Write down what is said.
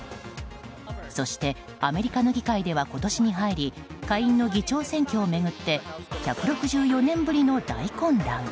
そして、アメリカの議会では今年に入り下院の議長選挙を巡って１６４年ぶりの大混乱。